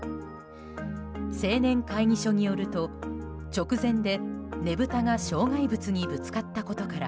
青年会議所によると直前でねぶたが障害物にぶつかったことから